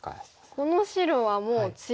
この白はもう強いですね。